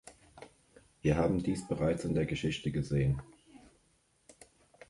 Wir haben dies bereits in der Geschichte gesehen.